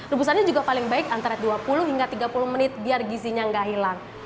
rebusannya juga paling baik antara dua puluh hingga tiga puluh menit biar gizinya nggak hilang